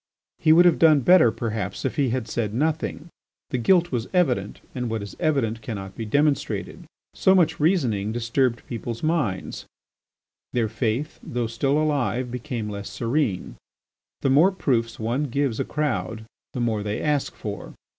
He would have done better, perhaps, if he had said nothing. The guilt was evident and what is evident cannot be demonstrated. So much reasoning disturbed people's minds; their faith, though still alive, became less serene. The more proofs one gives a crowd the more they ask for.